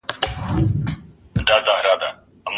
د بې وزلو حق په مال کي ثابت دی.